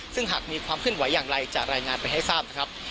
ซึ่งหากมีความเคลื่อนไหวอย่างไรจะรายงานไปให้ทราบนะครับ